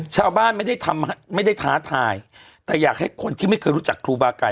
ชาวบ้านไม่ได้ทำไม่ได้ท้าทายแต่อยากให้คนที่ไม่เคยรู้จักครูบาไก่